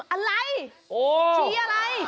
อะไรชี้อะไร